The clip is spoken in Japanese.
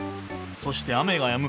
そして雨がやむ。